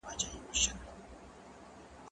زه مخکي ځواب ليکلی و!؟